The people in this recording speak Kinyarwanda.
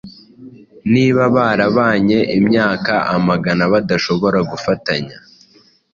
Niba barabanye imyaka amagana badashobora gufatanya